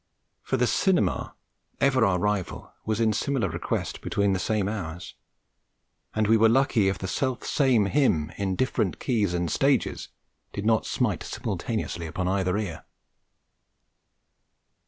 For the cinema, ever our rival, was in similar request between the same hours; and we were lucky if the selfsame hymn, in different keys and stages, did not smite simultaneously upon either ear.